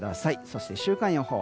そして週間予報。